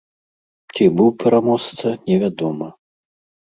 Ці быў пераможца, невядома.